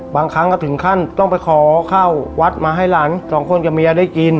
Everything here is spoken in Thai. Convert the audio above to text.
บางครั้งก็ถึงขั้นต้องไปขอข้าววัดมาให้หลานสองคนกับเมียได้กิน